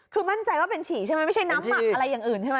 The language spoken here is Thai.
คือมั่นใจว่าเป็นฉี่ใช่ไหมไม่ใช่น้ำหมักอะไรอย่างอื่นใช่ไหม